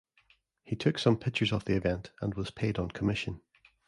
He took some pictures of the event, and was paid on commission.